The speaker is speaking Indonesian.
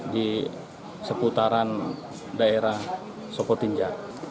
di seputaran daerah sopotinja